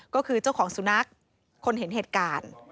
ก็คือเจ้าของสุนัขคนเห็นเหตุการณ์